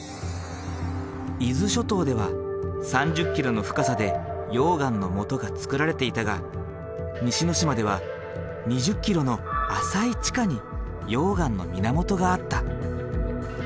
伊豆諸島では３０ｋｍの深さで溶岩のもとがつくられていたが西之島では２０ｋｍの浅い地下に溶岩の源があった。